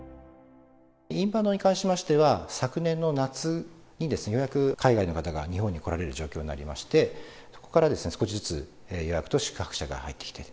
インバウンドに関しましては、昨年の夏にようやく海外の方が日本に来られる状況になりまして、そこから少しずつ予約と宿泊者が入ってきている。